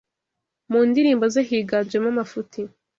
Mu ndirimbo ze higanjemo amafuti